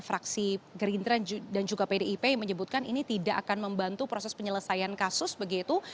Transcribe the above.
fraksi gerindra dan juga pdip yang menyebutkan ini tidak akan membantu proses penyelesaian kasus begitu